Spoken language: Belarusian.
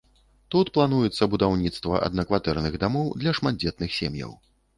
Тут плануецца будаўніцтва аднакватэрных дамоў для шматдзетных сем'яў.